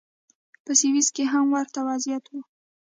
په سویس کې هم ورته وضعیت و.